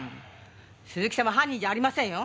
鈴木さんは犯人じゃありませんよ！